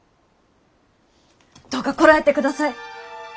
どうかこらえてください。